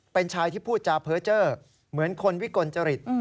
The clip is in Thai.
เป็นชายที่พูดจาเพ้อเจอร์เหมือนคนวิกลจริต